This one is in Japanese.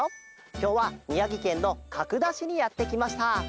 きょうはみやぎけんのかくだしにやってきました！